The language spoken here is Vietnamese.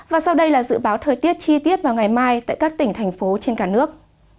và sau đây là dự báo thời tiết chi tiết vào ngày mai tại các tỉnh thành phố trên cả nước